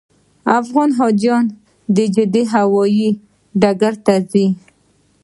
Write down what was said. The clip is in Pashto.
افغان حاجیان د جدې هوایي ډګر ته ځي.